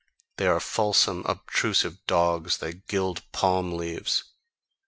They are fulsome obtrusive dogs; they gild palm leaves.